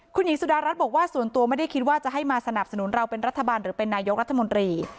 คุณหญิงสุดารัฐบอกว่าส่วนตัวไม่ได้คิดว่าจะให้มาสนับสนุนเราเป็นรัฐบาลหรือเป็นนายกรัฐมนตรี